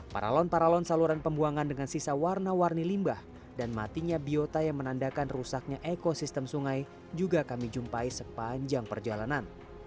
paralon paralon saluran pembuangan dengan sisa warna warni limbah dan matinya biota yang menandakan rusaknya ekosistem sungai juga kami jumpai sepanjang perjalanan